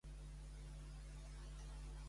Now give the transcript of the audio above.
Ensenya'm de què es parla a TikTok.